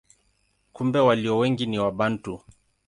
Kumbe walio wengi ni Wabantu.